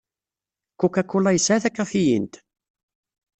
Coca-Cola yesɛa takafiyint?